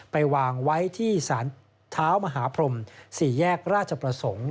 ไปวางไว้ที่สารเท้ามหาพรม๔แยกราชประสงค์